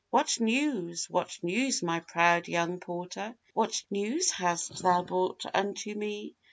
'What news, what news, my proud young porter? What news hast thou brought unto me?